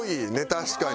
確かに。